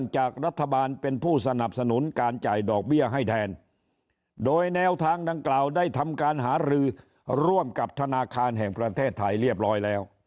จากรัฐบาลเป็นผู้สนับสนุนการจ่ายดอกเบี้ยให้แทนโดยแนวทางดังกล่าวได้ทำการหารือร่วมกับธนาคารแห่งประเทศไทยเรียบร้อยแล้ว